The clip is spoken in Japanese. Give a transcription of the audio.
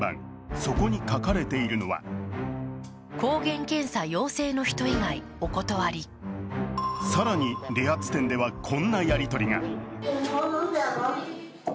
そこに書かれているのは更に理髪店ではこんなやり取りが。